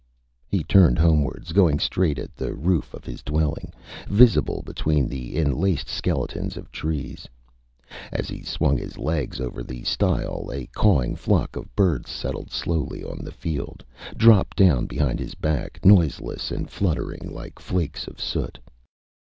He turned homewards, going straight at the roof of his dwelling, visible between the enlaced skeletons of trees. As he swung his legs over the stile a cawing flock of birds settled slowly on the field; dropped down behind his back, noiseless and fluttering, like flakes of soot.